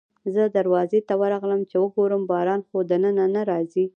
زه دروازې ته ورغلم چې وګورم باران خو دننه نه راځي.